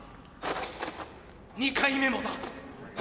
２回目もだ。